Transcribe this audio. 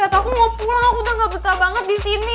atau aku mau pulang aku udah gak betah banget di sini